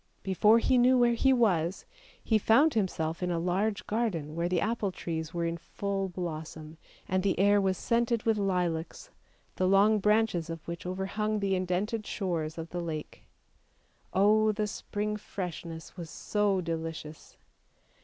Before he knew where he was, he found himself in a large garden where the apple trees were in full blossom, and the air was scented with lilacs, the long branches of which overhung the indented shores of the lake! Oh! the spring freshness was so delicious